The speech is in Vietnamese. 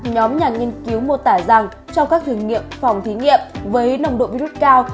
nhóm nhà nghiên cứu mô tả rằng trong các thử nghiệm phòng thí nghiệm với nồng độ virus cao